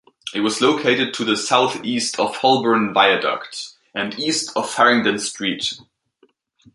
It was located to the southeast of Holborn Viaduct, and east of Farringdon Street.